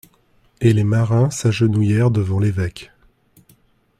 Et les marins s'agenouillèrent devant l'évêque.